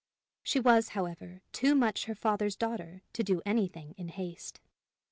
She was, however, too much her father's daughter to do anything in haste.